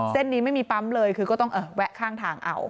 เส้นนี้ไม่มีปั๊มเลยคือก็ต้องแวะข้างทางเอา